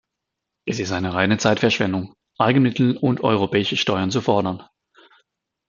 Es ist reine Zeitverschwendung, Eigenmittel und europäische Steuern zu fordern.